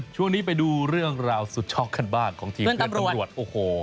ช่วงนี้ไปดูเรื่องราวสุดช็อกกันบ้างของทีมเพื่อนตำรวจโอ้โห